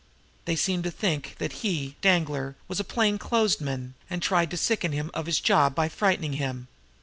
They seemed to think that he, Danglar, was a plain clothes man, and tried to sicken him of his job by frightening him.